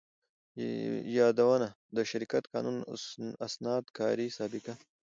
يادونه: د شرکت قانوني اسناد، کاري سابقه،